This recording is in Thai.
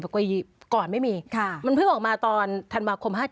กว่าอย่างก่อนไม่มีไม่เคยออกมาตอนธนมาคมผม๕๗